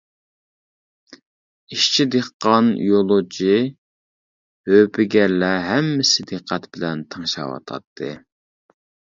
ئىشچى، دېھقان، يولۇچى، ھۆپىگەرلەر ھەممىسى دىققەت بىلەن تىڭشاۋاتاتتى.